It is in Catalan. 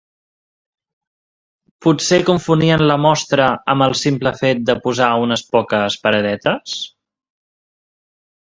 Potser confonien la Mostra amb el simple fet de posar unes poques paradetes…?